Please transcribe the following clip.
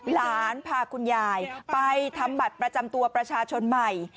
หลานพาคุณยายไปทำบัตรประจำตัวประชาชนใหม่